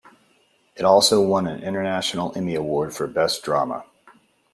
It also won an International Emmy Award for best drama.